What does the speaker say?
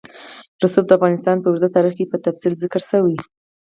رسوب د افغانستان په اوږده تاریخ کې په تفصیل ذکر شوی.